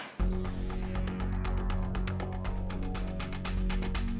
kamu denger baik baik